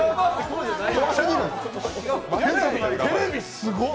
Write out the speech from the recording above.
テレビすごっ！